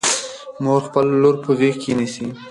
مور خپله لور په غېږ کې نیسي.